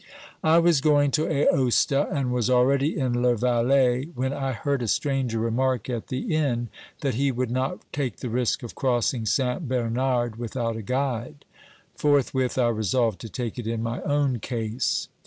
I was going to Aosta, and was already in Le Valais, when I heard a stranger remark at the inn that he would not take the risk of crossing Saint Bernard without a guide. Forthwith I resolved to take it in my own case.